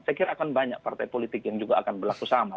saya kira akan banyak partai politik yang juga akan berlaku sama